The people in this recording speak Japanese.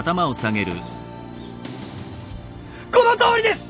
このとおりです！